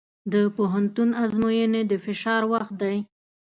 د پوهنتون ازموینې د فشار وخت دی.